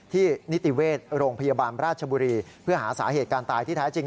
นิติเวชโรงพยาบาลราชบุรีเพื่อหาสาเหตุการตายที่แท้จริง